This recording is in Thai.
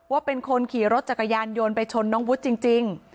ว่าเป็นคนขี่รถจักรยานยนต์ไปชนน้องวุฒิจริง